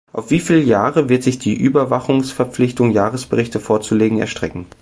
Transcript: Auf wieviel Jahre wird sich die Überwachungsverpflichtung, Jahresberichte vorzulegen, erstrecken?